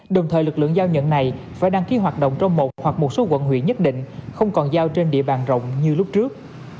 đồng thời lực lượng giao nhận này phải đăng ký hoạt động trong một hoặc một số quận huyện nhất định không còn giao trên địa bàn rộng như lúc trước